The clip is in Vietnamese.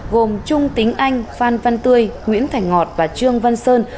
gồm trung tính anh phan văn tươi nguyễn thành ngọt và trương văn sơn